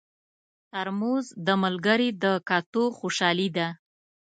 ترموز د ملګري د کتو خوشالي ده.